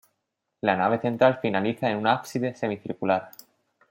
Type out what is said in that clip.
La nave central finaliza en un ábside semicircular.